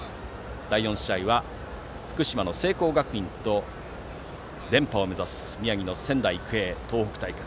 第４試合は福島の聖光学院と連覇を目指す宮城の仙台育英の東北対決。